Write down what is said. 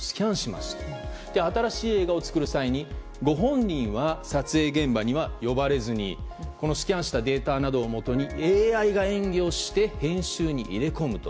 そして、新しい映画を作る際にご本人は撮影現場には呼ばれずにこのスキャンしたデータなどをもとにＡＩが演技をして編集に入れ込むと。